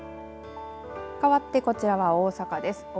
かわってこちらは大阪です。